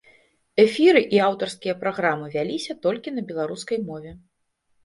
Эфіры і аўтарскія праграмы вяліся толькі на беларускай мове.